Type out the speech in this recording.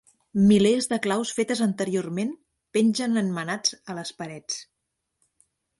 Milers de claus fetes anteriorment pengen en manats a les parets.